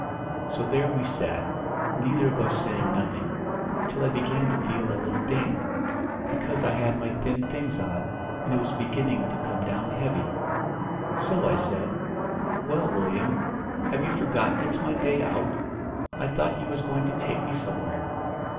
"So there we sat, neither of us saying nothing, till I began to feel a little damp, because I had my thin things on, and it was beginning to come down heavy. So I said, 'Well, Willyum, have you forgotten it's my day out? I thought you was going to take me somewhere.'